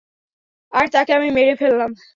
আর তাকে আমি মেরে ফেললাম।